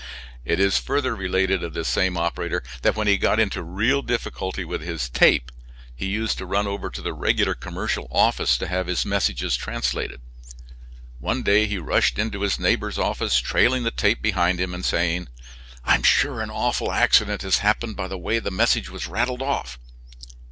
It is further related of this same operator that when he got into real difficulty with his "tape" he used to run over to the regular commercial office to have his messages translated. One day he rushed into his neighbor's office trailing the tape behind him and saying: "I am sure an awful accident has happened by the way the message was rattled off."